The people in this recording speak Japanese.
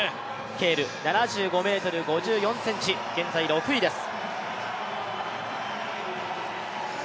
ケール、７５ｍ５４ｃｍ、現在６位です。